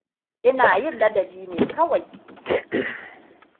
Ina yin ladabi ne kawai.